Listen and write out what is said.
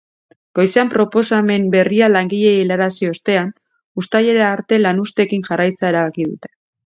Goizean proposamen berria langileei helarazi ostean, uztailera arte lanuzteekin jarraitzea erabaki dute.